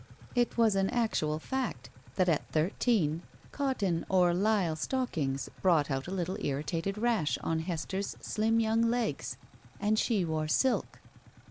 It was an actual fact that, at thir teen, cotton or Usle stockings brought out a little irritated rash on Hester's slim young legs, and she wore silk.